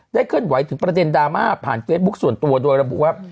เคลื่อนไหวถึงประเด็นดราม่าผ่านเฟซบุ๊คส่วนตัวโดยระบุว่า